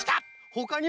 ほかには？